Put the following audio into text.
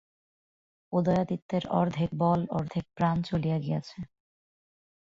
উদয়াদিত্যের অর্ধেক বল, অর্ধেক প্রাণ চলিয়া গিয়াছে।